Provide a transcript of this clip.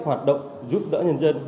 hoạt động giúp đỡ nhân dân